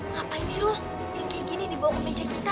ngapain sih loh yang kayak gini dibawa ke meja kita